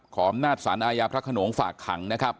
อำนาจสารอาญาพระขนงฝากขังนะครับ